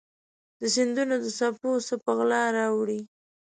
د سیندونو د څپو څه په غلا راوړي